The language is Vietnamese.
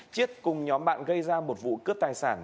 chiết cùng nhóm bạn gây ra một vụ cướp tài sản